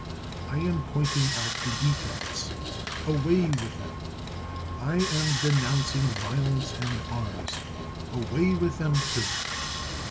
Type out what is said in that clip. I am pointing out the defects ; away with them ! I am denoun cing violence and arms ; away with them, too